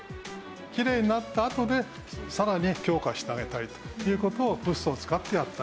きれいになったあとでさらに強化してあげたいという事をフッ素を使ってやってあげる。